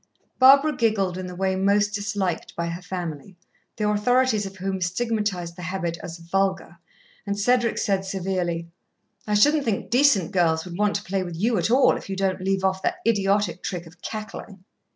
Barbara giggled in the way most disliked by her family, the authorities of whom stigmatized the habit as "vulgar," and Cedric said severely: "I shouldn't think decent girls would want to play with you at all, if you don't leave off that idiotic trick of cackling."